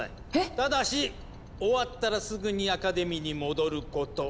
ただし終わったらすぐにアカデミーに戻ること。